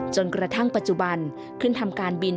จนกระทั่งปัจจุบันขึ้นทำการบิน